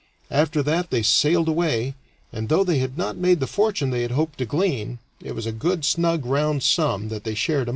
After that they sailed away, and though they had not made the fortune they had hoped to glean, it was a good snug round sum that they shared among them.